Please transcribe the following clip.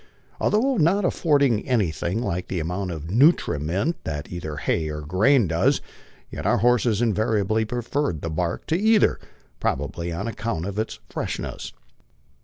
Al though not affording anything like the amount of nutriment which either hay or grain does, yet our horses invariably preferred the bark to either, probably on account of its freshness.